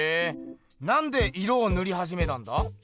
なんで色をぬりはじめたんだ？